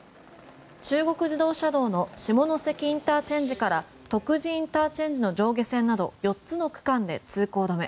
中国自動車道の下関ＩＣから徳地ＩＣの上下線など４つの区間で通行止め。